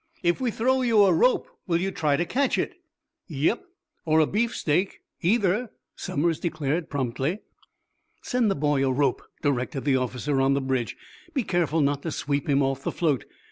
"If we throw you a rope, will you try to catch it?" "Yep, or a beefsteak, either," Somers declared, promptly. "Send the boy a rope," directed the officer on the bridge. "Be careful not to sweep him off the float.